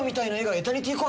エタニティコア。